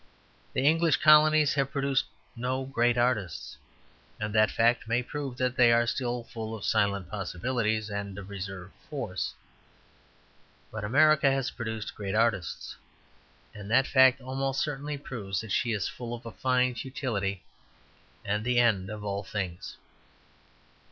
The English colonies have produced no great artists; and that fact may prove that they are still full of silent possibilities and reserve force. But America has produced great artists. And that fact most certainly proves that she is full of a fine futility and the end of all things.